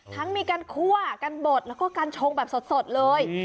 ทั้งมีการคั่วกันบดแล้วก็กัญชงแบบสดเลย